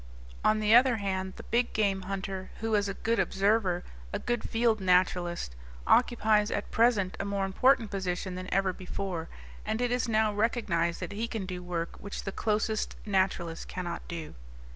On the other hand, the big game hunter who is a good observer, a good field naturalist, occupies at present a more important position than ever before, and it is now recognized that he can do work which the closest naturalist cannot do.